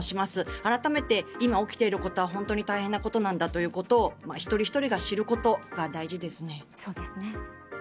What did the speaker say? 改めて今、起きていることは本当に大変なことなんだということを一人ひとりが知ることが大事ですね。